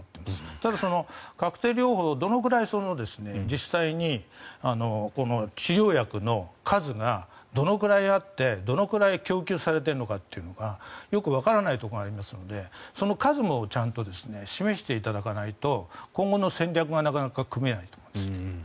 ただ、そのカクテル療法がどのぐらい実際に治療薬の数がどのくらいあってどのくらい供給されているのかっていうのがよくわからないところがありますのでその数もちゃんと示していただかないと今度の戦略がなかなか組めないと思いますね。